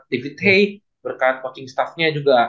david haye berkat coaching staffnya juga